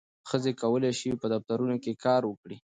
ښځې کولی شي په دفترونو کې کار وکړي.